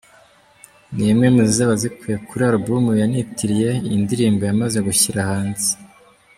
Ni imwe mu zizaba zikubiye kuri album yanitiriye iyi ndirimbo yamaze gushyira hanze.